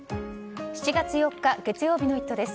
７月４日月曜日の「イット！」です。